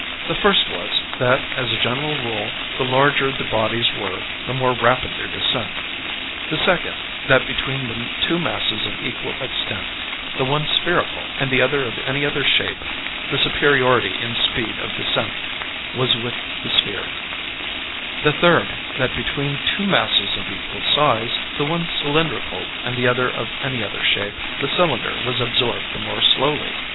The first was, that as a general rule, the larger the bodies were, the more rapid their descent; the second, that between the two masses of equal extent, the one spherical and the other of any other shape, the superiority in speed of descent was with the sphere; the third, that between two masses of equal size, the one cylindrical, and the other of any other shape, the cylinder was absorbed the more slowly.